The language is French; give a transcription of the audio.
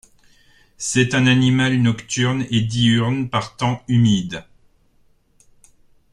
C'est un animal nocturne et diurne par temps humide.